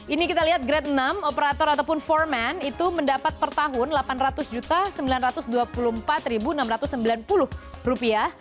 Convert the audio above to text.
ini kita lihat grade enam operator ataupun foreman itu mendapat per tahun delapan ratus sembilan ratus dua puluh empat enam ratus sembilan puluh rupiah